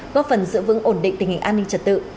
góp phần giữ vững ổn định tình hình an ninh trật tự